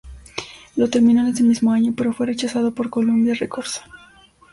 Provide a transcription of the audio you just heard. Lo terminó en ese mismo año, pero fue rechazado por Columbia Records.